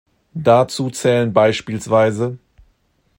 Dazu zählen beispielsweise